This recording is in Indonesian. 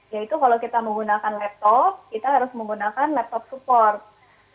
yaitu kalau kita menggunakan laptop kita harus menggunakan laptop support